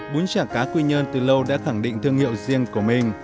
bún chả cá quy nhơn từ lâu đã khẳng định thương hiệu riêng của mình